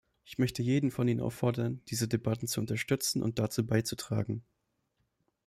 Ich möchte jeden von Ihnen auffordern, diese Debatten zu unterstützen und dazu beizutragen.